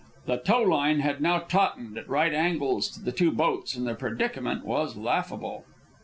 The tow line had now tautened, at right angles to the two boats and the predicament was laughable.